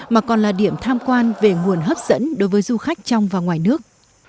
mà còn là điểm tham quan về nguồn hấp dẫn đối với du khách trong và ngoài nước